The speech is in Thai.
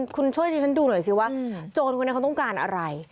คุณช่วยดิฉันดูหน่อยสิว่าโจรคนนี้เขาต้องการอะไร